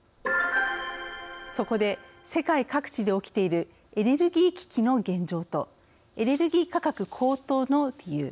そこで世界各地で起きている「エネルギー危機」の現状とエネルギー価格高騰の理由。